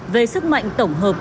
về sức mạnh tổng hợp